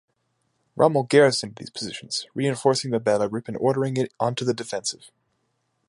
Rommel garrisoned these positions, reinforcing the battlegroup and ordering it onto the defensive.